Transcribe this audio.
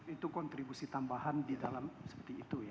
itu kontribusi tambahan di dalam seperti itu ya